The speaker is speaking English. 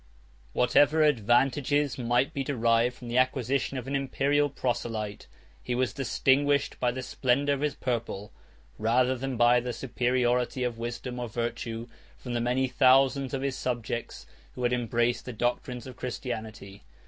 Whatever advantages might be derived from the acquisition of an Imperial proselyte, he was distinguished by the splendor of his purple, rather than by the superiority of wisdom, or virtue, from the many thousands of his subjects who had embraced the doctrines of Christianity.